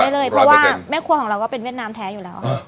ได้เลยเพราะว่าแม่ครัวของเราก็เป็นเวียดนามแท้อยู่แล้ว